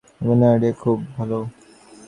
অভিনব আইডিয়া, মুখ ব্যবহার করে ঘুষি ঠেকানো।